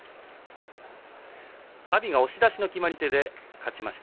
阿炎が押し出しの決まり手で勝ちました。